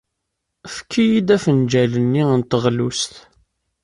Efk-iyi-d afenǧal-nni n teɣlust?